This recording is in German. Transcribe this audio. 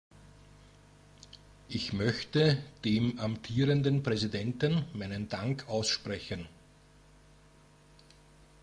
Ich möchte dem amtierenden Präsidenten meinen Dank aussprechen.